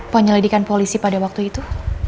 penyelidikan polisi pada waktu itu